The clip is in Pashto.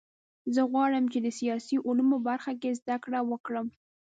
زه غواړم چې د سیاسي علومو په برخه کې زده کړه وکړم